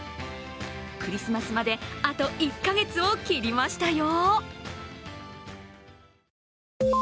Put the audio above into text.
クリスマスまであと１か月を切りましたよ！